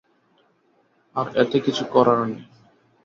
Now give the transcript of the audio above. আর এতে কিছু করার নেই।